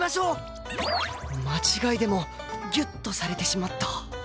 間違いでもギュッとされてしまった